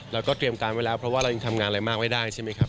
เราก็เตรียมการไว้แล้วเพราะว่าเรายังทำงานอะไรมากไม่ได้ใช่ไหมครับ